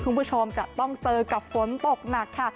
คุณผู้ชมจะต้องเจอกับฝนตกหนักค่ะ